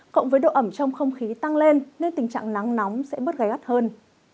cộng với độ ẩm trong không khí tăng lên nên tình trạng nắng nóng sẽ bớt gai gắt hơn